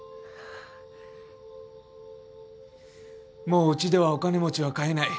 もううちではお金持ちは飼えない。